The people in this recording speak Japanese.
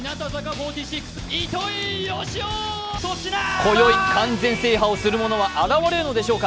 今宵、完全制覇をする者は現われるのでしょうか。